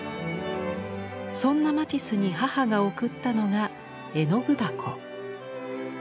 そんなマティスに母が贈ったのが絵の具箱。